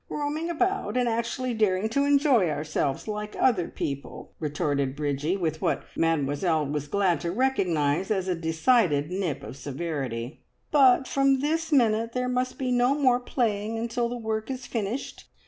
"Roaming about, and actually daring to enjoy ourselves like other people," retorted Bridgie, with what Mademoiselle was glad to recognise as a decided nip of severity; "but from this minute there must be no more playing until the work is finished.